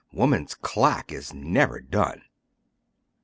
woman's clack is never done."